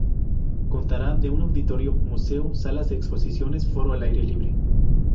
Constará de un auditorio, museo, salas de exposiciones, foro al aire libre.